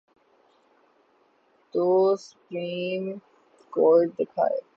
تو Supreme Court دکھائے۔